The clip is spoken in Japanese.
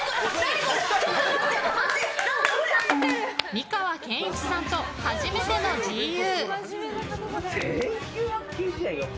美川憲一さんと初めてのＧＵ。